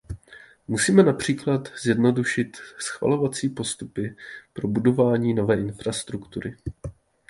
Musíme například zjednodušit schvalovací postupy pro budování nové infrastruktury.